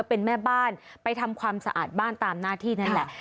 เป็นแม่บ้านไปทำความสะอาดบ้านตามหน้าที่นั่นแหละ